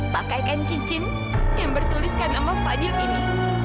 pakaikan cincin yang bertuliskan nama fadil ini